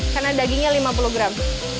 karena dagingnya lima puluh gram